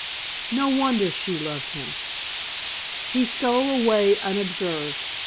No wonder she loved him! He stole away unobserved.